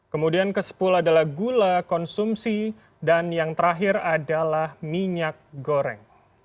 kemudian kesepul adalah gula konsumsi dan yang terakhir adalah minyak goreng